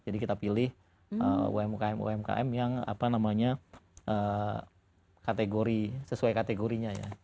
jadi kita pilih umkm umkm yang apa namanya kategori sesuai kategorinya ya